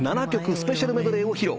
スペシャルメドレーを披露。